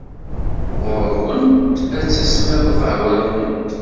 Ɣur-kent ad tismiḍ lqahwa-nkent!